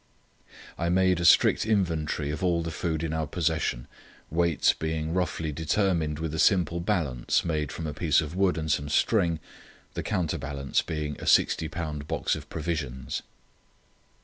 I made a strict inventory of all the food in our possession, weights being roughly determined with a simple balance made from a piece of wood and some string, the counter weight being a 60 lb. box of provisions.